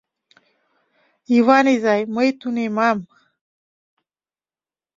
— Йыван изай, мый тунемам...